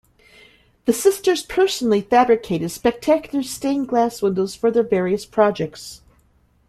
The sisters personally fabricated spectacular stained glass windows for their various projects.